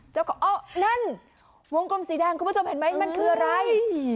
อ๋อนั่นวงกลมสีแดงคุณผู้ชมเห็นไหมมันคืออะไร